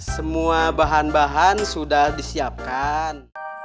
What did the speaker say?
semua bahan bahan sudah disiapkan